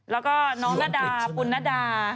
แล้วก็น้องนาดาปุณดา